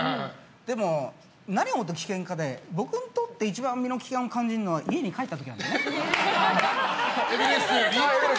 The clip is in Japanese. でも、何をもって危険かで僕にとって一番身の危険を感じるのはエベレストより？